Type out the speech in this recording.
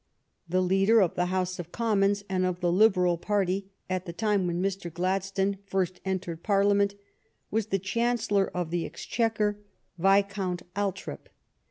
The leader of the House of Commons and of the Liberal party at the time when Mr. Gladstone first entered Parliament was the Chancellor of the Exchequer, Viscount Al 42 THE STORY OF GLADSTONE'S LIFE thorp.